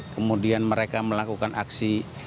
kemudian mereka melakukan alih